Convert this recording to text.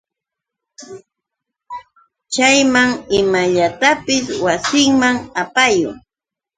Chaynam imallatapis wasinman apakun.